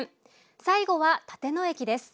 最後は立野駅です。